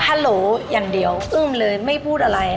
โหลอย่างเดียวอึ้มเลยไม่พูดอะไร